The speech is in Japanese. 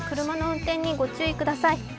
車の運転に御注意ください。